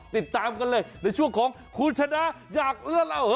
ติดตามกันเลยในช่วงของคุณชนะอยากเลื่อนเราเห